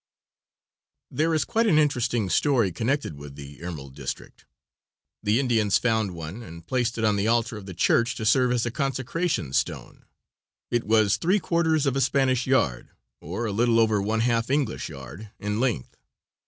There is quite an interesting story connected with the emerald district. The Indians found one and placed it on the altar of the church to serve as a consecration stone. It was three quarters of a Spanish yard, or a little over one half English yard, in length.